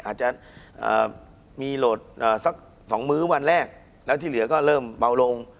อาจจะมีโหลดสัก๒มื้อวันแรกแล้วที่เหลือก็เริ่มเบาลง